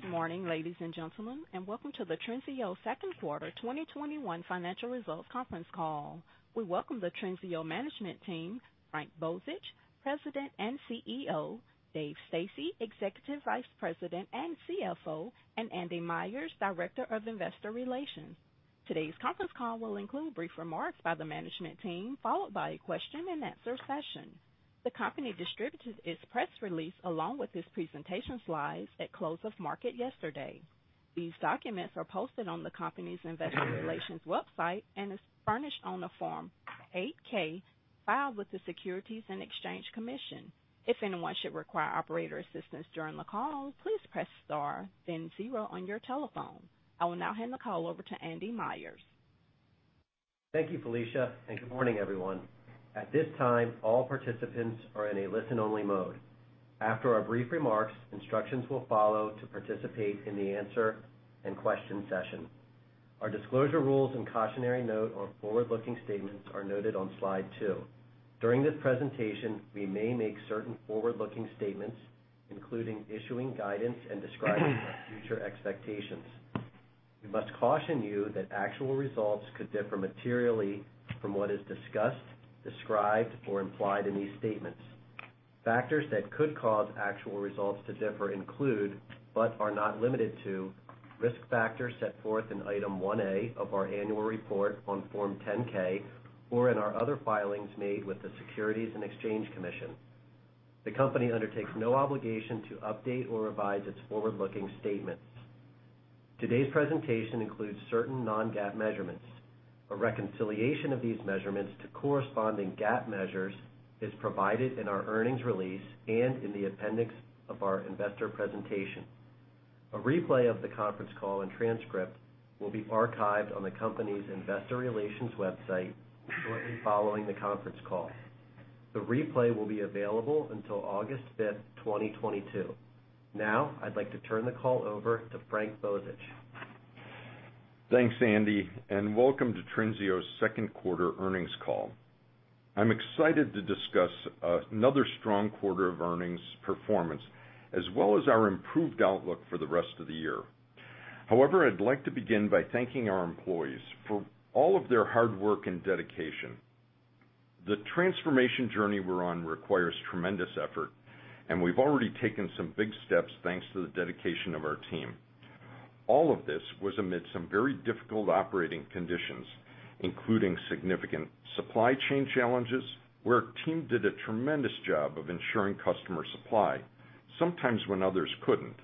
Good morning, ladies and gentlemen, welcome to the Trinseo second quarter 2021 financial results conference call. We welcome the Trinseo management team, Frank Bozich, President and CEO, Dave Stasse, Executive Vice President and CFO, and Andy Myers, Director of Investor Relations. Today's conference call will include brief remarks by the management team, followed by a question-and-answer session. The company distributed its press release along with its presentation slides at close of market yesterday. These documents are posted on the company's investor relations website and is furnished on a Form 8-K filed with the Securities and Exchange Commission. If anyone should require operator assistance during the call, please press star then zero on your telephone. I will now hand the call over to Andy Myers. Thank you, Felicia, and good morning, everyone. Our disclosure rules and cautionary note on forward-looking statements are noted on slide two. During this presentation, we may make certain forward-looking statements, including issuing guidance and describing our future expectations. We must caution you that actual results could differ materially from what is discussed, described, or implied in these statements. Factors that could cause actual results to differ include, but are not limited to, risk factors set forth in Item 1A of our annual report on Form 10-K or in our other filings made with the Securities and Exchange Commission. The company undertakes no obligation to update or revise its forward-looking statements. Today's presentation includes certain non-GAAP measurements. A reconciliation of these measurements to corresponding GAAP measures is provided in our earnings release and in the appendix of our investor presentation. A replay of the conference call and transcript will be archived on the company's investor relations website shortly following the conference call. The replay will be available until August 5th, 2022. Now, I'd like to turn the call over to Frank Bozich. Thanks, Andy, and welcome to Trinseo's second quarter earnings call. I'm excited to discuss another strong quarter of earnings performance, as well as our improved outlook for the rest of the year. However, I'd like to begin by thanking our employees for all of their hard work and dedication. The transformation journey we're on requires tremendous effort, and we've already taken some big steps thanks to the dedication of our team. All of this was amid some very difficult operating conditions, including significant supply chain challenges, where our team did a tremendous job of ensuring customer supply, sometimes when others couldn't.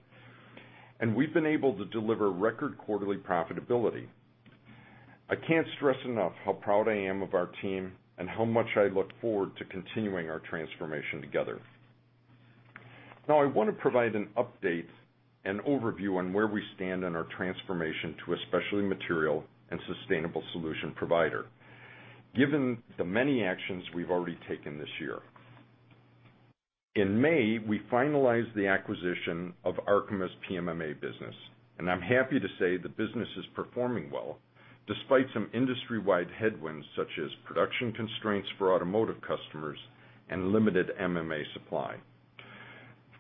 We've been able to deliver record quarterly profitability. I can't stress enough how proud I am of our team and how much I look forward to continuing our transformation together. Now, I want to provide an update and overview on where we stand on our transformation to a specialty material and sustainable solution provider, given the many actions we've already taken this year. In May, we finalized the acquisition of Arkema's PMMA business, and I'm happy to say the business is performing well despite some industry-wide headwinds such as production constraints for automotive customers and limited MMA supply.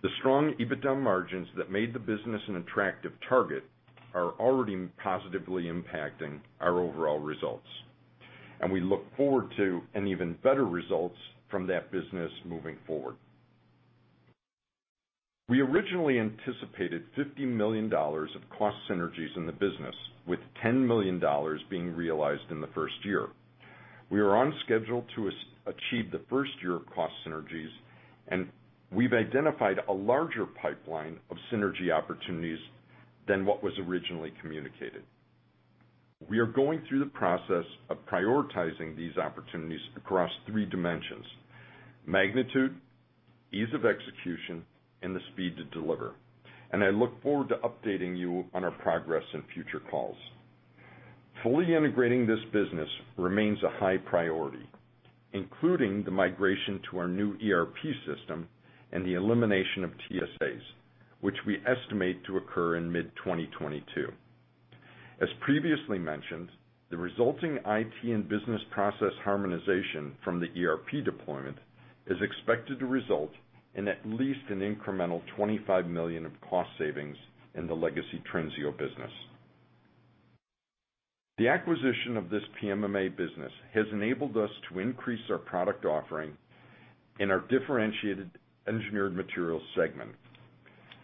The strong EBITDA margins that made the business an attractive target are already positively impacting our overall results, and we look forward to an even better results from that business moving forward. We originally anticipated $50 million of cost synergies in the business, with $10 million being realized in the first year. We are on schedule to achieve the first year of cost synergies, and we've identified a larger pipeline of synergy opportunities than what was originally communicated. We are going through the process of prioritizing these opportunities across three dimensions: magnitude, ease of execution, and the speed to deliver. I look forward to updating you on our progress in future calls. Fully integrating this business remains a high priority, including the migration to our new ERP system and the elimination of TSAs, which we estimate to occur in mid-2022. As previously mentioned, the resulting IT and business process harmonization from the ERP deployment is expected to result in at least an incremental $25 million of cost savings in the legacy Trinseo business. The acquisition of this PMMA business has enabled us to increase our product offering in our differentiated engineered materials segment.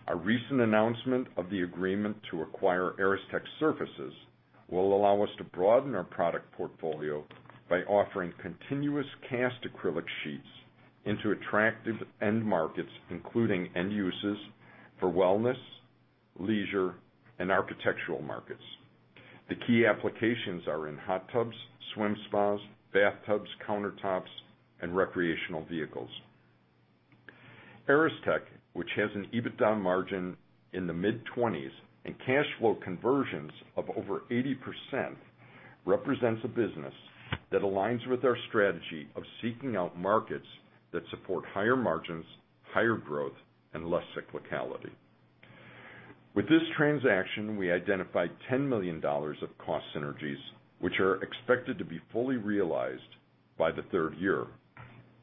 Our recent announcement of the agreement to acquire Aristech Surfaces will allow us to broaden our product portfolio by offering continuous cast acrylic sheets into attractive end markets, including end uses for wellness, leisure, and architectural markets. The key applications are in hot tubs, swim spas, bathtubs, countertops, and recreational vehicles. Aristech, which has an EBITDA margin in the mid-20% and cash flow conversions of over 80%, represents a business that aligns with our strategy of seeking out markets that support higher margins, higher growth, and less cyclicality. With this transaction, we identified $10 million of cost synergies, which are expected to be fully realized by the third year.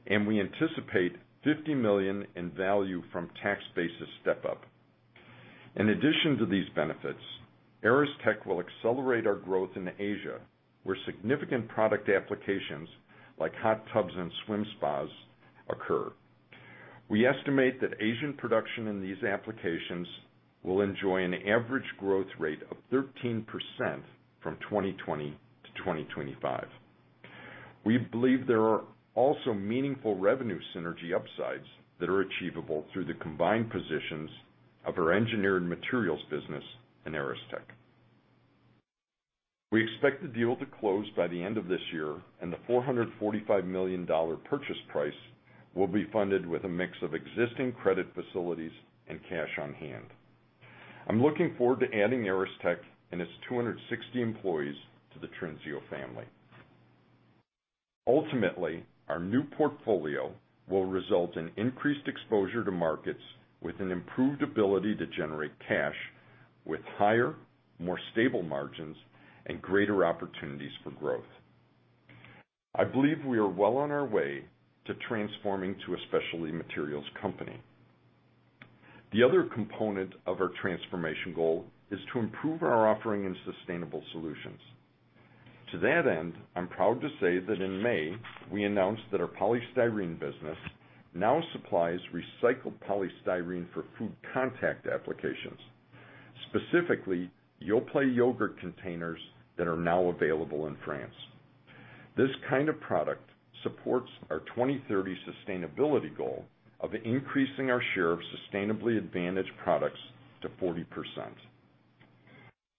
We anticipate $50 million in value from tax basis step-up. In addition to these benefits, Aristech will accelerate our growth in Asia, where significant product applications like hot tubs and swim spas occur. We estimate that Asian production in these applications will enjoy an average growth rate of 13% from 2020 to 2025. We believe there are also meaningful revenue synergy upsides that are achievable through the combined positions of our engineering materials business and Aristech Surfaces. We expect the deal to close by the end of this year, and the $445 million purchase price will be funded with a mix of existing credit facilities and cash on hand. I'm looking forward to adding Aristech Surfaces and its 260 employees to the Trinseo family. Ultimately, our new portfolio will result in increased exposure to markets with an improved ability to generate cash with higher, more stable margins, and greater opportunities for growth. I believe we are well on our way to transforming to a specialty materials company. The other component of our transformation goal is to improve our offering in sustainable solutions. To that end, I'm proud to say that in May, we announced that our polystyrene business now supplies recycled polystyrene for food contact applications. Specifically, Yoplait yogurt containers that are now available in France. This kind of product supports our 2030 sustainability goal of increasing our share of sustainably advantaged products to 40%.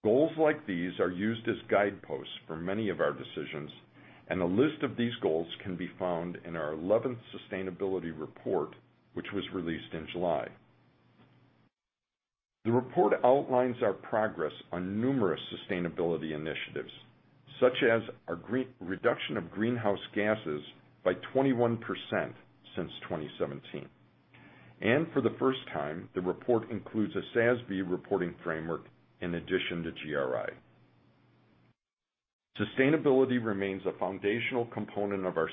Goals like these are used as guideposts for many of our decisions, and a list of these goals can be found in our 11th Sustainability Report, which was released in July. The report outlines our progress on numerous sustainability initiatives, such as a reduction of greenhouse gases by 21% since 2017. For the first time, the report includes a SASB reporting framework in addition to GRI. Sustainability remains a foundational component of our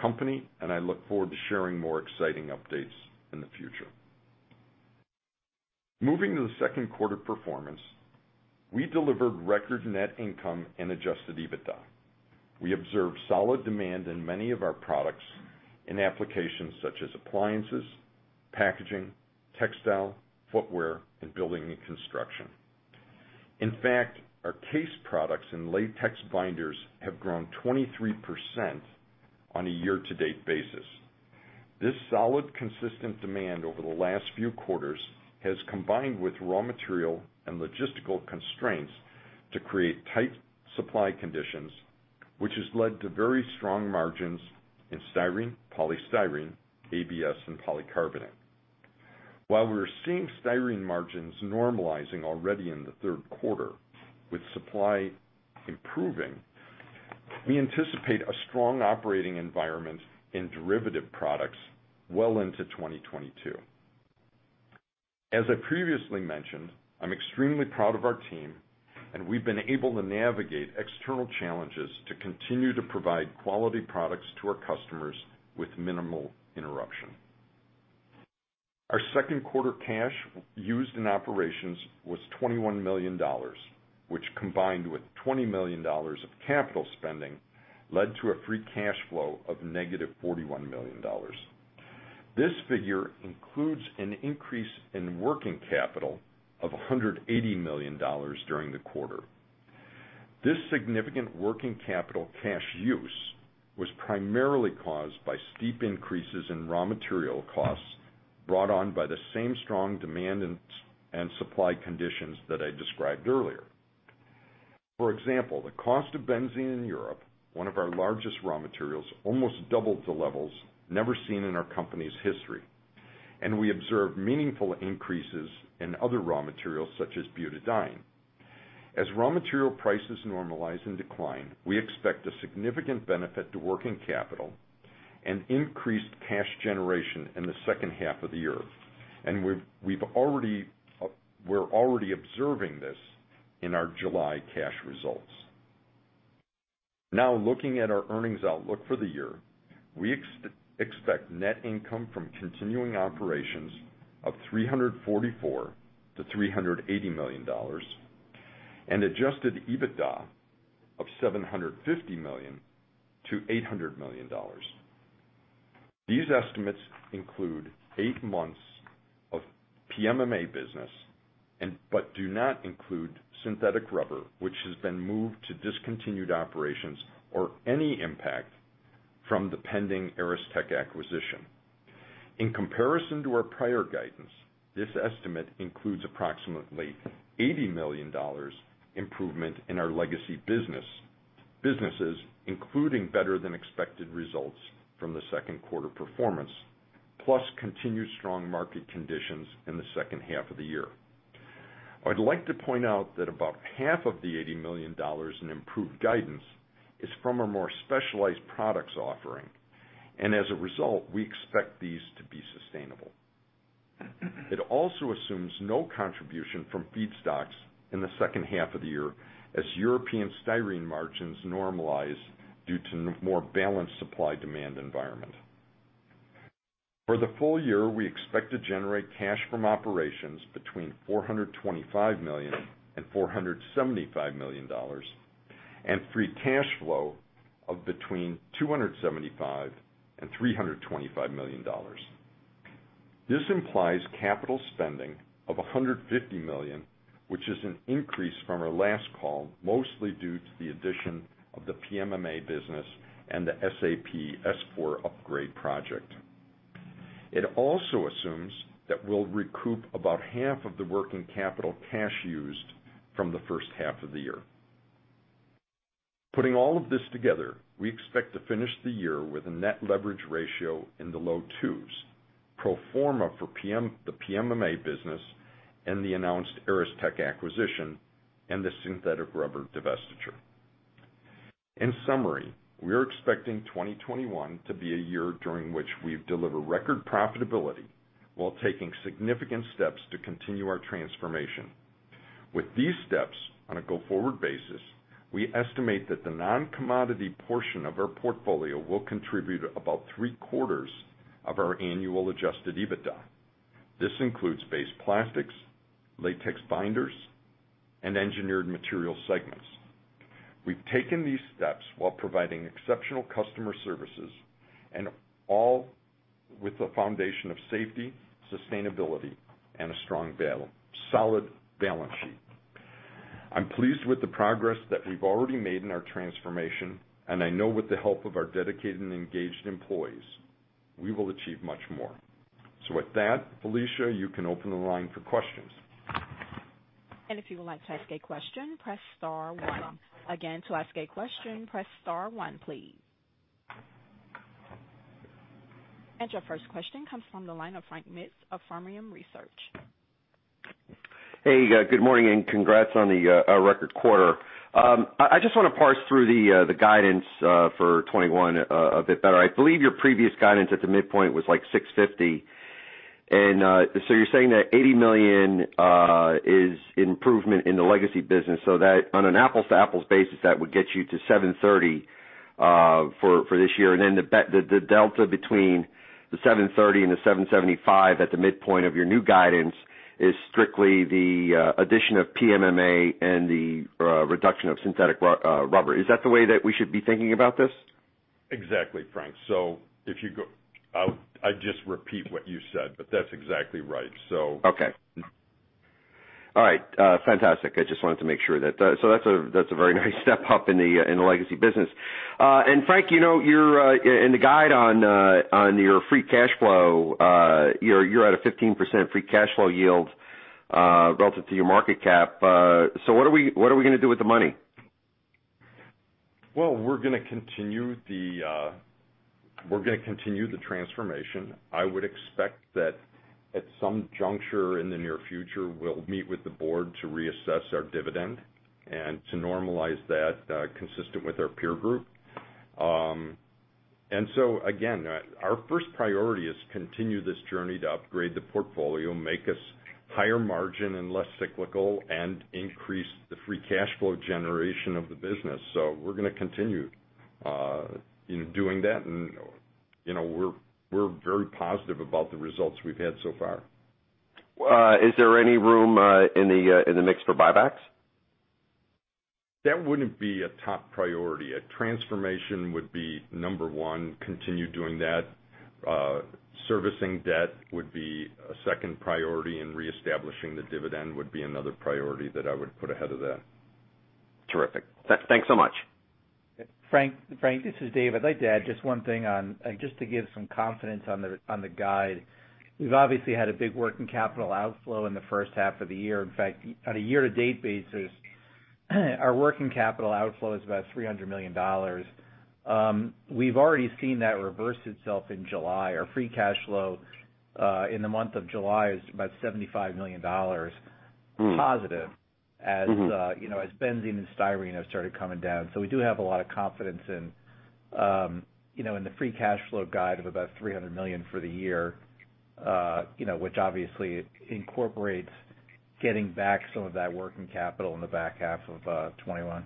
company, and I look forward to sharing more exciting updates in the future. Moving to the second quarter performance, we delivered record net income and adjusted EBITDA. We observed solid demand in many of our products in applications such as appliances, packaging, textile, footwear, and building and construction. In fact, our CASE products and latex binders have grown 23% on a year-to-date basis. This solid, consistent demand over the last few quarters has combined with raw material and logistical constraints to create tight supply conditions, which has led to very strong margins in styrene, polystyrene, ABS, and polycarbonate. While we're seeing styrene margins normalizing already in the third quarter with supply improving, we anticipate a strong operating environment in derivative products well into 2022. As I previously mentioned, I'm extremely proud of our team, and we've been able to navigate external challenges to continue to provide quality products to our customers with minimal interruption. Our second quarter cash used in operations was $21 million, which, combined with $20 million of capital spending, led to a free cash flow of -$41 million. This figure includes an increase in working capital of $180 million during the quarter. This significant working capital cash use was primarily caused by steep increases in raw material costs brought on by the same strong demand and supply conditions that I described earlier. For example, the cost of benzene in Europe, one of our largest raw materials, almost doubled to levels never seen in our company's history. We observed meaningful increases in other raw materials such as butadiene. As raw material prices normalize and decline, we expect a significant benefit to working capital and increased cash generation in the second half of the year. We're already observing this in our July cash results. Looking at our earnings outlook for the year, we expect net income from continuing operations of $344 million-$380 million, and adjusted EBITDA of $750 million-$800 million. These estimates include eight months of PMMA business, but do not include synthetic rubber, which has been moved to discontinued operations or any impact from the pending Aristech Surfaces acquisition. In comparison to our prior guidance, this estimate includes approximately $80 million improvement in our legacy businesses, including better than expected results from the second quarter performance, plus continued strong market conditions in the second half of the year. I'd like to point out that about half of the $80 million in improved guidance is from our more specialized products offering, and as a result, we expect these to be sustainable. It also assumes no contribution from feedstocks in the second half of the year as European styrene margins normalize due to more balanced supply-demand environment. For the full year, we expect to generate cash from operations between $425 million and $475 million, and free cash flow of between $275 million and $325 million. This implies capital spending of $150 million, which is an increase from our last call, mostly due to the addition of the PMMA business and the SAP S/4HANA upgrade project. It also assumes that we'll recoup about half of the working capital cash used from the first half of the year. Putting all of this together, we expect to finish the year with a net leverage ratio in the low twos, pro forma for the PMMA business and the announced Aristech Surfaces acquisition and the synthetic rubber divestiture. We are expecting 2021 to be a year during which we've delivered record profitability while taking significant steps to continue our transformation. With these steps, on a go-forward basis, we estimate that the non-commodity portion of our portfolio will contribute about 3/4 of our annual adjusted EBITDA. This includes base plastics, latex binders, and engineered material segments. We've taken these steps while providing exceptional customer services and all with the foundation of safety, sustainability, and a strong, solid balance sheet. I'm pleased with the progress that we've already made in our transformation. I know with the help of our dedicated and engaged employees, we will achieve much more. With that, Felicia, you can open the line for questions. If you would like to ask a question, press star one. Again, to ask a question, press star one, please. Your first question comes from the line of Frank Mitsch of Fermium Research. Hey, good morning, and congrats on the record quarter. I just want to parse through the guidance for 2021 a bit better. I believe your previous guidance at the midpoint was like $650. You're saying that $80 million is improvement in the legacy business, so that on an apples-to-apples basis, that would get you to $730 for this year, and then the delta between the $730 and the $775 at the midpoint of your new guidance is strictly the addition of PMMA and the reduction of synthetic rubber. Is that the way that we should be thinking about this? Exactly, Frank. I just repeat what you said, but that's exactly right. Okay, all right. Fantastic, I just wanted to make sure that. That's a very nice step up in the legacy business. Frank, in the guide on your free cash flow, you're at a 15% free cash flow yield relative to your market cap. What are we going to do with the money? Well, we're going to continue the transformation. I would expect that at some juncture in the near future, we'll meet with the board to reassess our dividend and to normalize that consistent with our peer group. Again, our first priority is continue this journey to upgrade the portfolio, make us higher margin and less cyclical, and increase the free cash flow generation of the business. We're going to continue doing that, and we're very positive about the results we've had so far. Is there any room in the mix for buybacks? That wouldn't be a top priority. A transformation would be number one, continue doing that. Servicing debt would be a second priority, and reestablishing the dividend would be another priority that I would put ahead of that. Terrific, thanks so much. Frank, this is Dave. I'd like to add just one thing on, just to give some confidence on the guide. We've obviously had a big working capital outflow in the first half of the year. In fact, on a year-to-date basis, our working capital outflow is about $300 million. We've already seen that reverse itself in July. Our free cash flow in the month of July is about $75 million positive as benzene and styrene have started coming down. We do have a lot of confidence in the free cash flow guide of about $300 million for the year which obviously incorporates getting back some of that working capital in the back half of 2021.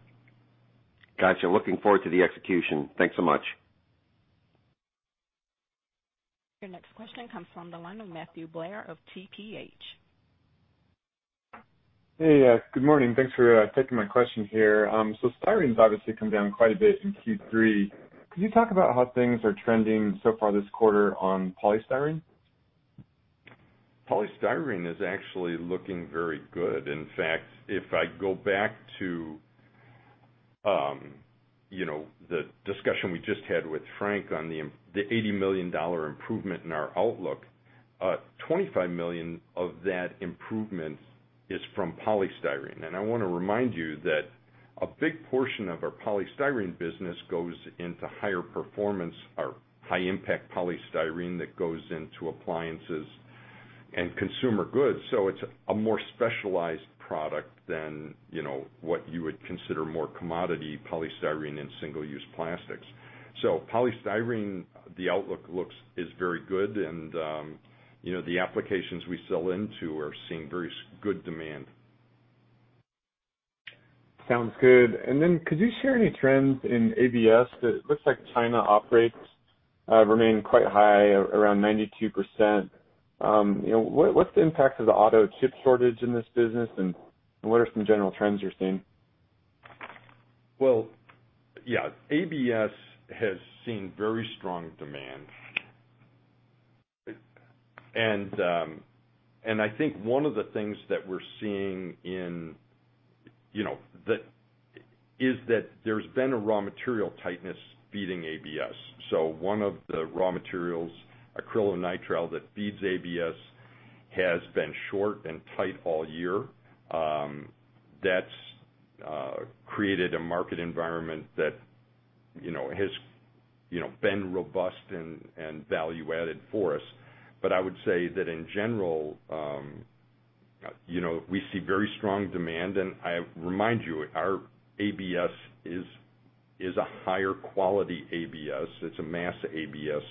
Got you, looking forward to the execution. Thanks so much. Your next question comes from the line of Matthew Blair of TPH&Co. Hey, good morning. Thanks for taking my question here. Styrene's obviously come down quite a bit in Q3. Could you talk about how things are trending so far this quarter on polystyrene? Polystyrene is actually looking very good. In fact, if I go back to the discussion we just had with Frank on the $80 million improvement in our outlook, $25 million of that improvement is from polystyrene. I want to remind you that a big portion of our polystyrene business goes into higher performance or high-impact polystyrene that goes into appliances and consumer goods. It's a more specialized product than what you would consider more commodity polystyrene in single-use plastics. Polystyrene, the outlook is very good, and the applications we sell into are seeing very good demand. Sounds good. Could you share any trends in ABS? It looks like China operates, remain quite high, around 92%. What's the impact of the auto chip shortage in this business, and what are some general trends you're seeing? Well, yeah. ABS has seen very strong demand. I think one of the things that we're seeing is that there's been a raw material tightness feeding ABS. One of the raw materials, acrylonitrile that feeds ABS, has been short and tight all year. That's created a market environment that has been robust and value-added for us. I would say that in general, we see very strong demand, and I remind you, our ABS is a higher quality ABS. It's a mass ABS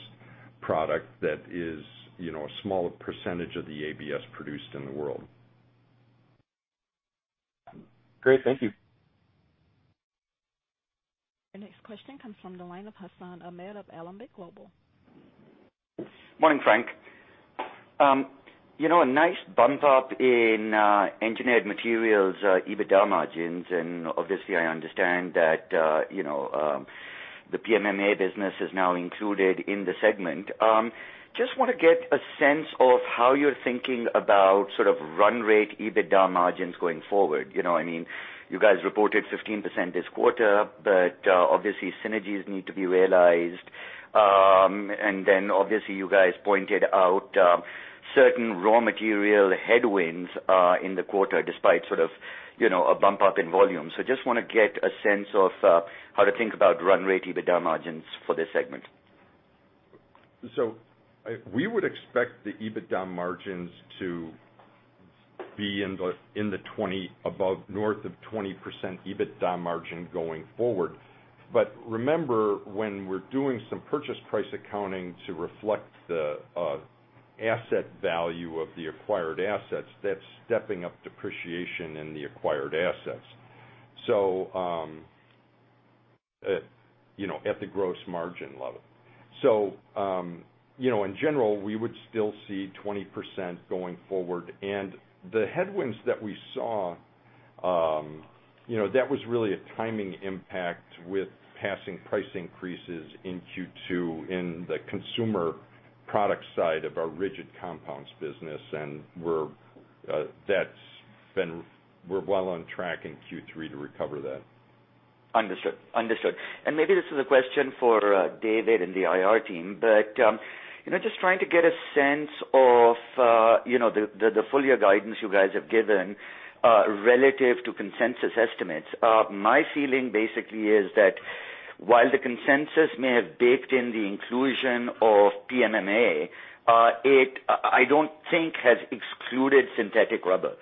product that is a smaller percentage of the ABS produced in the world. Great, thank you. Your next question comes from the line of Hassan Ahmed of Alembic Global. Morning, Frank. A nice bump up in Engineered Materials EBITDA margins, and obviously, I understand that the PMMA business is now included in the segment. Just want to get a sense of how you're thinking about sort of run rate EBITDA margins going forward. You guys reported 15% this quarter, but obviously synergies need to be realized. Obviously, you guys pointed out certain raw material headwinds in the quarter despite sort of a bump up in volume. Just want to get a sense of how to think about run rate EBITDA margins for this segment. We would expect the EBITDA margins to be north of 20% EBITDA margin going forward. Remember, when we're doing some purchase price accounting to reflect the asset value of the acquired assets, that's stepping up depreciation in the acquired assets at the gross margin level. In general, we would still see 20% going forward. The headwinds that we saw, that was really a timing impact with passing price increases in Q2 in the consumer product side of our rigid compounds business, and we're well on track in Q3 to recover that. Understood. Maybe this is a question for Dave and the IR team, but just trying to get a sense of the full year guidance you guys have given relative to consensus estimates. My feeling basically is that while the consensus may have baked in the inclusion of PMMA, it, I don't think has excluded synthetic rubber.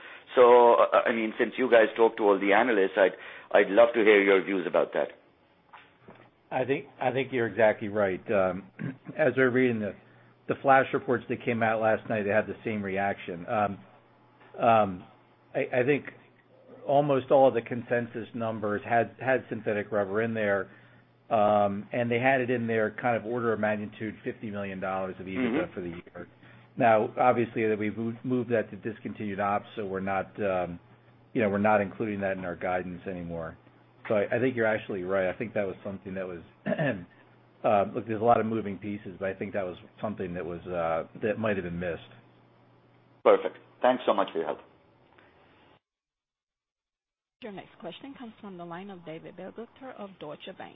Since you guys talk to all the analysts, I'd love to hear your views about that. I think you're exactly right. We're reading the flash reports that came out last night, they had the same reaction. I think almost all of the consensus numbers had synthetic rubber in there, and they had it in there kind of order of magnitude, $50 million of EBITDA for the year. Obviously, we've moved that to discontinued ops. We're not including that in our guidance anymore. I think you're actually right. I think that was something that was, look, there's a lot of moving pieces, but I think that was something that might have been missed. Perfect, thanks so much for your help. Your next question comes from the line of David Begleiter of Deutsche Bank.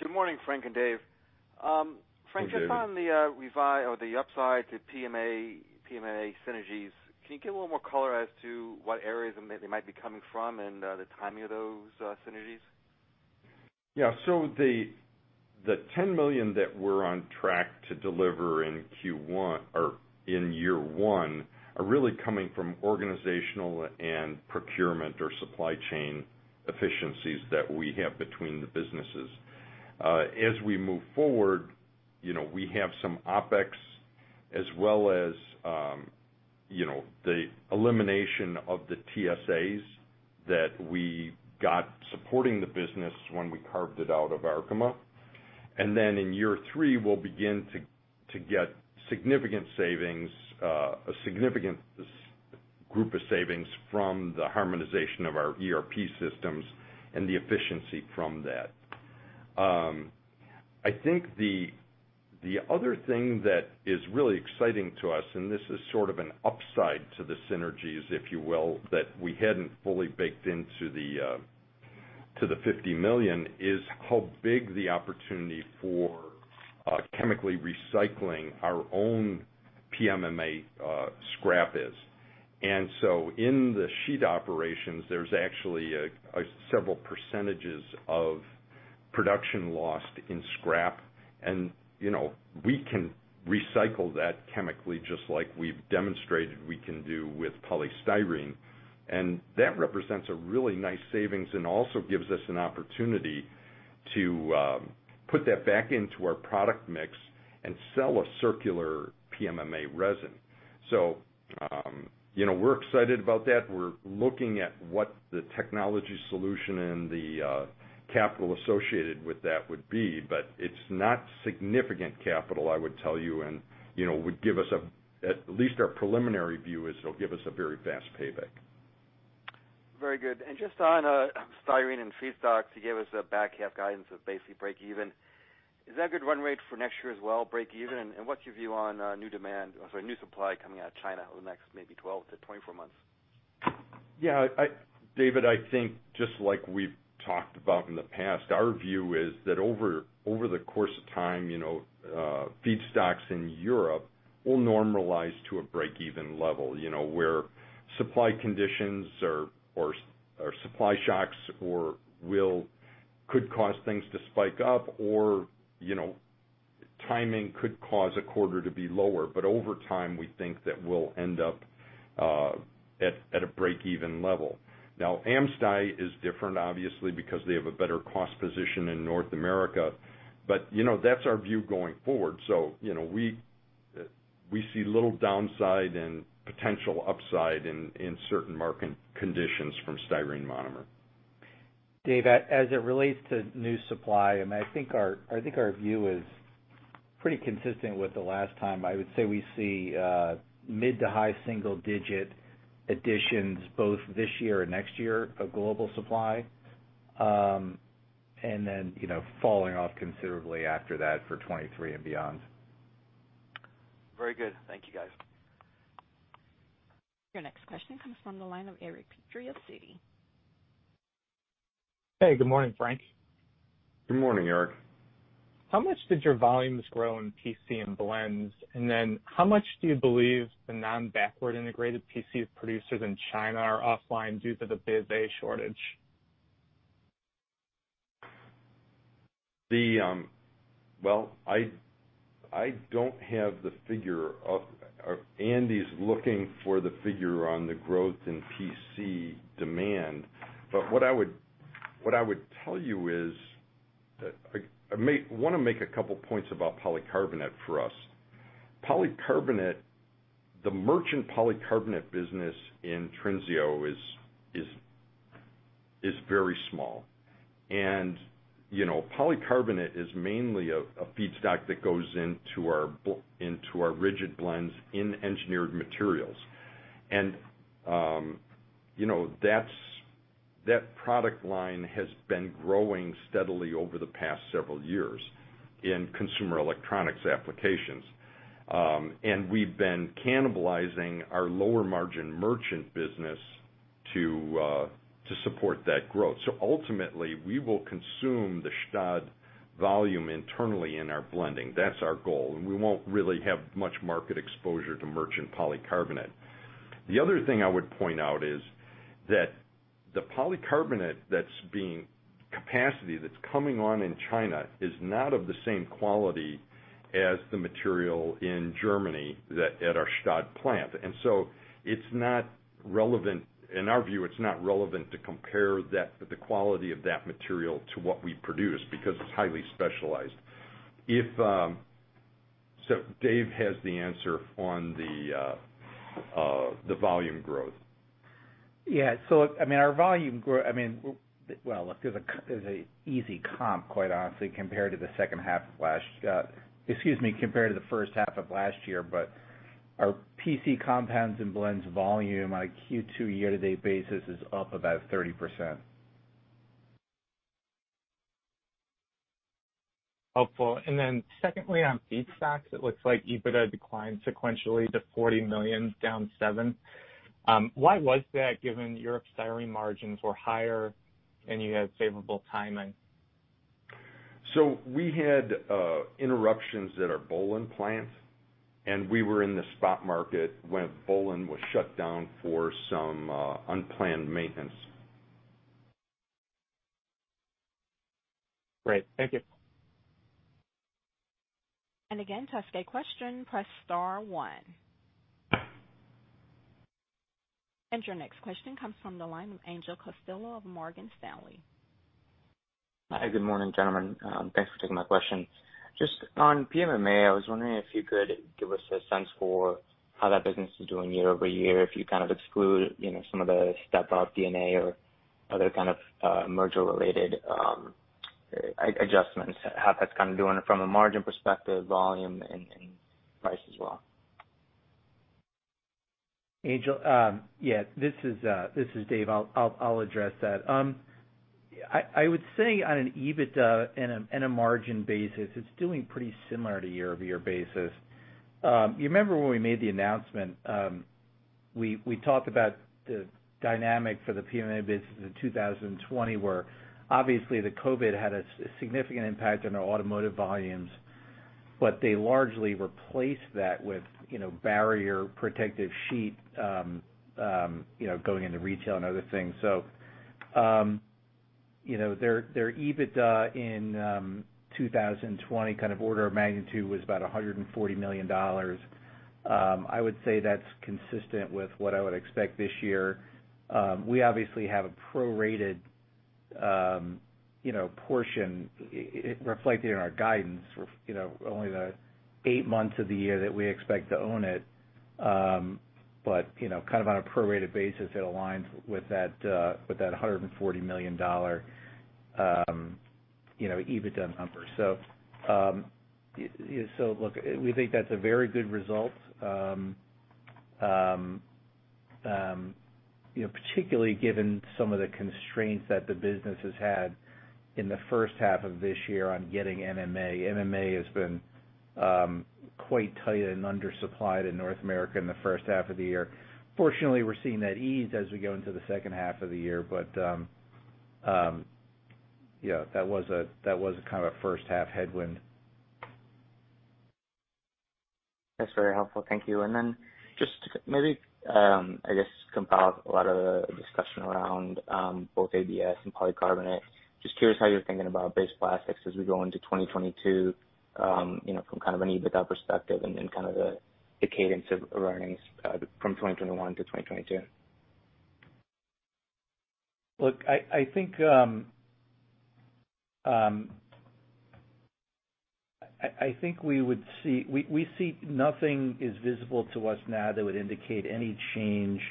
Good morning, Frank and Dave. Hi, David. Frank, just on the revise or the upside to PMMA synergies, can you give a little more color as to what areas they might be coming from and the timing of those synergies? The $10 million that we're on track to deliver in year one are really coming from organizational and procurement or supply chain efficiencies that we have between the businesses. As we move forward, we have some OpEx as well as the elimination of the TSAs that we got supporting the business when we carved it out of Arkema. Then in year three, we'll begin to get a significant group of savings from the harmonization of our ERP systems and the efficiency from that. I think the other thing that is really exciting to us, and this is sort of an upside to the synergies, if you will, that we hadn't fully baked into the $50 million, is how big the opportunity for chemically recycling our own PMMA scrap is. In the sheet operations, there's actually several percentages of production lost in scrap. We can recycle that chemically, just like we've demonstrated we can do with polystyrene. That represents a really nice savings and also gives us an opportunity to put that back into our product mix and sell a circular PMMA resin. We're excited about that. We're looking at what the technology solution and the capital associated with that would be, but it's not significant capital, I would tell you, and would give us, at least our preliminary view is it'll give us a very fast payback. Very good. Just on styrene and feedstocks, you gave us a back half guidance of basically break even. Is that a good run rate for next year as well, break even? What's your view on new supply coming out of China over the next maybe 12-24 months? David, I think just like we've talked about in the past, our view is that over the course of time, feedstocks in Europe will normalize to a break-even level, where supply conditions or supply shocks could cause things to spike up or timing could cause a quarter to be lower. Over time, we think that we'll end up at a break-even level. AmSty is different, obviously, because they have a better cost position in North America. That's our view going forward. We see little downside and potential upside in certain market conditions from styrene monomer. David, as it relates to new supply, I think our view is pretty consistent with the last time. I would say we see mid to high single-digit additions both this year and next year of global supply. Then falling off considerably after that for 2023 and beyond. Very good. Thank you, guys. Your next question comes from the line of Eric Petrie of Citi. Hey, good morning, Frank. Good morning, Eric. How much did your volumes grow in PC and blends? How much do you believe the non-backward integrated PC producers in China are offline due to the BPA shortage? Well, I don't have the figure. Andy's looking for the figure on the growth in PC demand. What I would tell you is, I want to make a couple points about polycarbonate for us. The merchant polycarbonate business in Trinseo is very small. Polycarbonate is mainly a feedstock that goes into our rigid blends in engineered materials. That product line has been growing steadily over the past several years in consumer electronics applications. We've been cannibalizing our lower margin merchant business to support that growth. Ultimately, we will consume the Stade volume internally in our blending. That's our goal, and we won't really have much market exposure to merchant polycarbonate. The other thing I would point out is that the polycarbonate capacity that's coming on in China is not of the same quality as the material in Germany at our Stade plant. In our view, it's not relevant to compare the quality of that material to what we produce, because it's highly specialized. Dave has the answer on the volume growth. Yeah. Look, there's a easy comp, quite honestly, compared to the first half of last year. Our PC compounds and blends volume on a Q2 year-to-date basis is up about 30%. Helpful. Secondly, on feedstocks, it looks like EBITDA declined sequentially to $40 million, down $7. Why was that, given your styrene margins were higher and you had favorable timing? We had interruptions at our Böhlen plant, and we were in the spot market when Böhlen was shut down for some unplanned maintenance. Great, thank you. Again, to ask a question, press star one. Your next question comes from the line of Angel Castillo of Morgan Stanley. Hi. Good morning, gentlemen. Thanks for taking my question. Just on PMMA, I was wondering if you could give us a sense for how that business is doing year-over-year, if you kind of exclude some of the step-up D&A or other kind of merger-related adjustments, how that's kind of doing from a margin perspective, volume, and price as well. Angel, yeah. This is Dave. I'll address that. I would say on an EBITDA and a margin basis, it's doing pretty similar to year-over-year basis. You remember when we made the announcement, we talked about the dynamic for the PMMA business in 2020 where obviously the COVID had a significant impact on our automotive volumes. They largely replaced that with barrier protective sheet going into retail and other things. Their EBITDA in 2020, order of magnitude, was about $140 million. I would say that's consistent with what I would expect this year. We obviously have a prorated portion reflected in our guidance, only the eight months of the year that we expect to own it. Kind of on a prorated basis, it aligns with that $140 million EBITDA number. Look, we think that's a very good result, particularly given some of the constraints that the business has had in the first half of this year on getting MMA. MMA has been quite tight and undersupplied in North America in the first half of the year. Fortunately, we're seeing that ease as we go into the second half of the year. Yeah, that was a first-half headwind. That's very helpful. Thank you. Then just to maybe, I guess, compile a lot of the discussion around both ABS and polycarbonate. Just curious how you're thinking about base plastics as we go into 2022, from kind of an EBITDA perspective and then kind of the cadence of earnings from 2021 to 2022? I think nothing is visible to us now that would indicate any change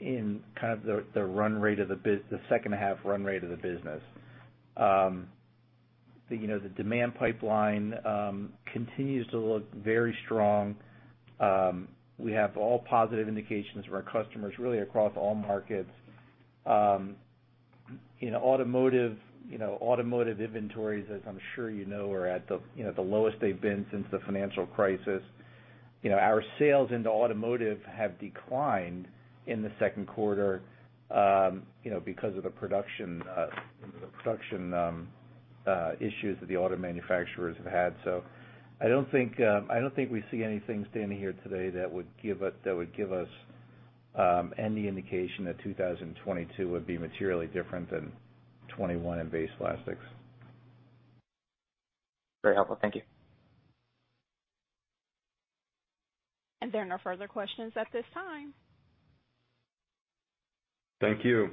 in the second half run rate of the business. The demand pipeline continues to look very strong. We have all positive indications from our customers, really across all markets. Automotive inventories, as I'm sure you know, are at the lowest they've been since the financial crisis. Our sales into automotive have declined in the second quarter because of the production issues that the auto manufacturers have had. I don't think we see anything standing here today that would give us any indication that 2022 would be materially different than 2021 in base plastics. Very helpful. Thank you. There are no further questions at this time. Thank you.